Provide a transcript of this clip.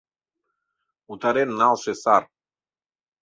Утарен налше сар;